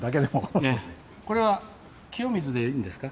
これは「きよみず」でいいんですか？